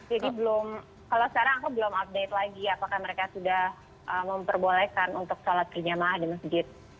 jadi belum kalau sekarang aku belum update lagi apakah mereka sudah memperbolehkan untuk shalat kerja maha di masjid